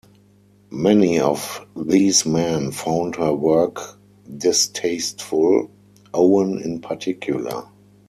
Many of these men found her work distasteful, Owen in particular.